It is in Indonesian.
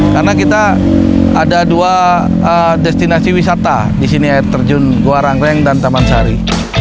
karena kita ada dua destinasi wisata disini air terjun goa rangkeng dan taman sari